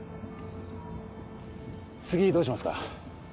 次どうしますか？